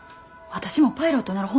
私もパイロットなろ。